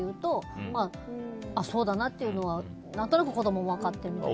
まあ、そうだなっていうのは何となく子供も分かっているというか。